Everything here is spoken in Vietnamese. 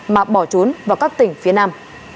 mà bỏ trốn vào các tỉnh phía nam